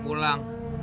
kalau lo liatnya